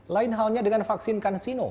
lain halnya dengan vaksin kansino